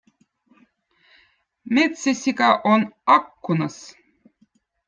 mettsesika on akkunõz